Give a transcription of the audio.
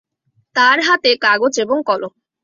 তার হাতে কাগজ এবং কলম।